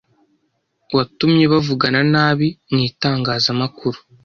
Watumye bavugana nabi mw’itangazamakuru